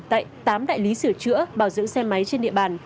tại tám đại lý sửa chữa bảo dưỡng xe máy trên địa bàn